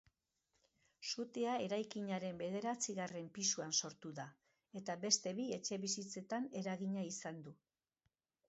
Sutea eraikinaren bederatzigarren pisuan sortu da eta beste bi etxebizitzetan eragina izan du.